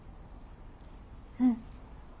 うん。